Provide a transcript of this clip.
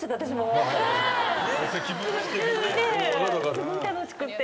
すごい楽しくて。